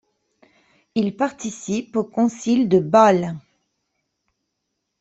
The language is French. Il participe au concile de Bâle.